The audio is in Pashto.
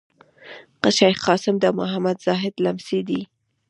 شېخ قاسم د محمد زاهد لمسی دﺉ.